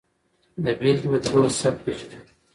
د بېلګې په ټوګه سبک پېژندنې